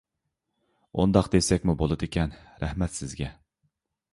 ئۇنداق دېسەكمۇ بولىدىكەن. رەھمەت سىزگە!